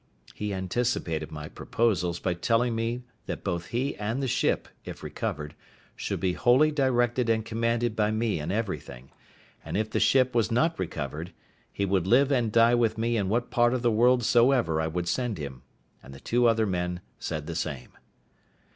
He anticipated my proposals by telling me that both he and the ship, if recovered, should be wholly directed and commanded by me in everything; and if the ship was not recovered, he would live and die with me in what part of the world soever I would send him; and the two other men said the same.